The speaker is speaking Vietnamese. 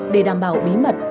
để đảm bảo bí mật